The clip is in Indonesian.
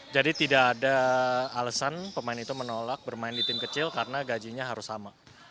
jadi tidak ada alasan pemain itu menolak bermain di tim kecil karena gajinya harus sama